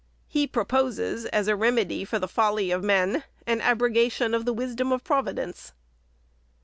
He pro poses, as a remedy for the folly of men, an abrogation of the wisdom of Providence.